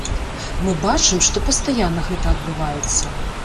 Мы бачым, што пастаянна гэта адбываецца.